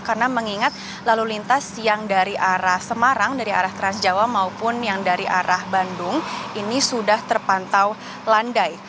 karena mengingat lalu lintas yang dari arah semarang dari arah transjawa maupun yang dari arah bandung ini sudah terpantau landai